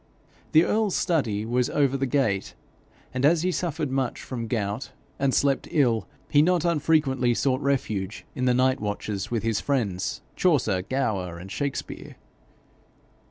The earl's study was over the gate, and as he suffered much from gout and slept ill, he not unfrequently sought refuge in the night watches with his friends Chaucer, Gower, and Shakspere.